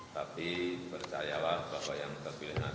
tapi percayalah bahwa yang terpilih adalah